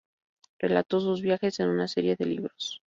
Relató sus viajes en una serie de libros.